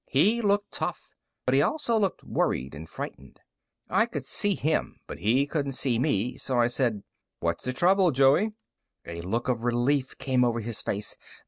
He looked tough, but he also looked worried and frightened. I could see him, but he couldn't see me, so I said: "What's the trouble, Joey?" A look of relief came over his face.